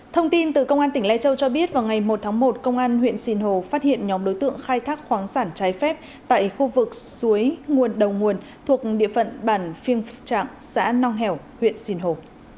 thông tin từ công an tỉnh lai châu cho biết vào ngày một tháng một công an huyện sinh hồ phát hiện nhóm đối tượng khai thác khoáng sản trái phép tại khu vực suối nguồn đầu nguồn thuộc địa phận bản phiêng phục trạng xã nong hẻo huyện sinh hồ